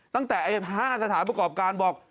ตั้งแต่๕สถานประกอบการบอก